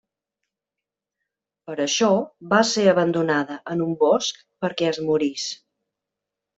Per això, va ser abandonada en un bosc perquè es morís.